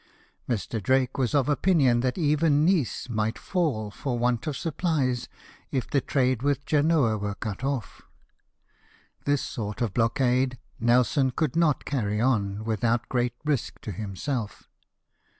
Mr. Drake was of opinion that even Nice might fall for want of supplies, if the trade with Genoa were cut off. This sort of blockade Nelson could not carry on without great risk to himself.